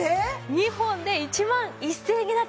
２本で１万１０００円になっちゃいました。